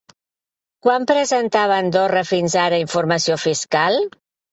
Quan presentava Andorra fins ara informació fiscal?